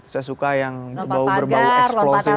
saya suka yang berbau bau eksplosif